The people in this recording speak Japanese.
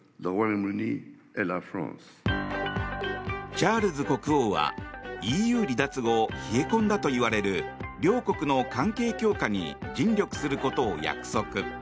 チャールズ国王はＥＵ離脱後冷え込んだといわれる両国の関係強化に尽力することを約束。